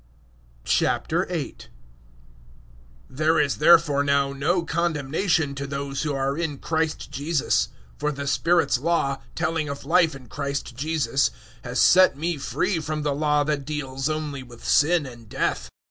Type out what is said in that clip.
008:001 There is therefore now no condemnation to those who are in Christ Jesus; 008:002 for the Spirit's Law telling of Life in Christ Jesus has set me free from the Law that deals only with sin and death.